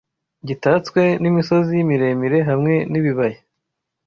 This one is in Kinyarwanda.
Gitatswe n’imisozi miremire hamwe n’ ibibaya